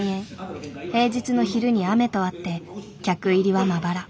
平日の昼に雨とあって客入りはまばら。